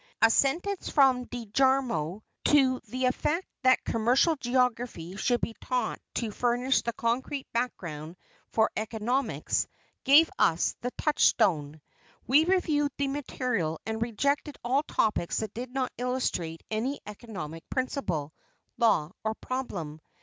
A sentence from De Garmo to the effect that commercial geography should be taught to furnish the concrete background for economics, gave us the touchstone. We reviewed the material and rejected all topics that did not illustrate any economic principle, law, or problem.